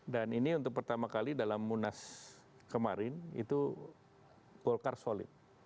dan ini untuk pertama kali dalam munas kemarin itu golkar solid